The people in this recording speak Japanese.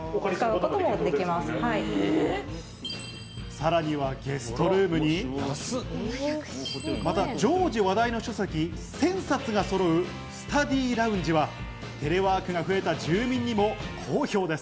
さらにはゲストルームに、また常時話題の書籍１０００冊がそろうスタディラウンジは、テレワークが増えた住民にも好評です。